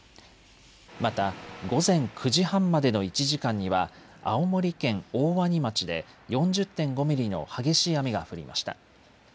また午前９時半までの１時間には青森県大鰐町で４０．５ミリの激しい雨が降りました。